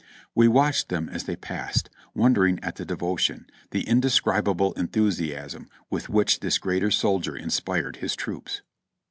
We watched them as they passed, wondering at the devotion, the indescribable enthusiasm with which this great soldier inspired his troops.